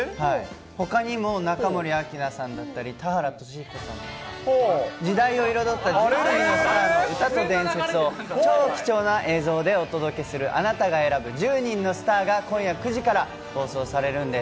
ほかにも中森明菜さんだったり、田原俊彦さん、時代を彩った１０組のスターの歌と伝説を超貴重な映像でお届けするあなたが選ぶ１０人のスターが、今夜９時から放送されるんです。